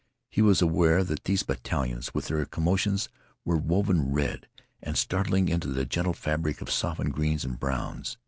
He was aware that these battalions with their commotions were woven red and startling into the gentle fabric of softened greens and browns.